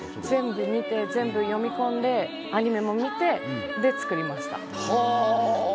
全部見て、全部読み込んでアニメも見て作りました。